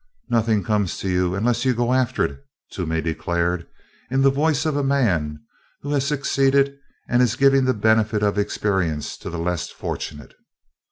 "Nothing comes to you unless you go after it," Toomey declared, in the voice of a man who has succeeded and is giving the benefit of his experience to the less fortunate.